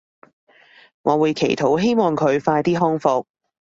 我會祈禱希望佢快啲康復